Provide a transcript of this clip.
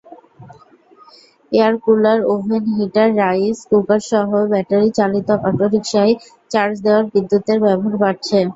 Air cooler, oven, heater, rice কুকারসহ ব্যাটারিচালিত অটোরিকশায় চার্জ দেওয়ায় বিদ্যুতের ব্যবহার বাড়ছে।